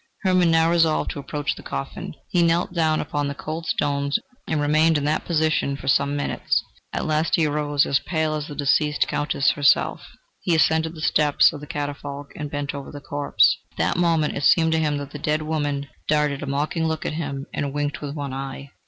Hermann now resolved to approach the coffin. He knelt down upon the cold stones and remained in that position for some minutes; at last he arose, as pale as the deceased Countess herself; he ascended the steps of the catafalque and bent over the corpse... At that moment it seemed to him that the dead woman darted a mocking look at him and winked with one eye.